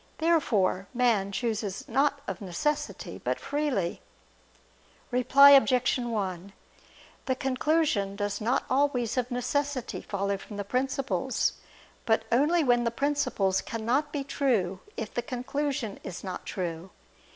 Therefore man chooses not of necessity, but freely. Reply Obj. 1: The conclusion does not always of necessity follow from the principles, but only when the principles cannot be true if the conclusion is not true.